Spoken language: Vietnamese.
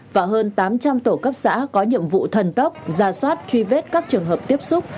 và hơn tám trăm linh tổ cấp xã có nhiệm vụ thần tốc ra soát truy vết các trường hợp tiếp xúc